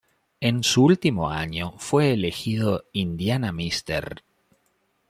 En su último año fue elegido "Indiana Mr.